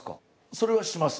それはします。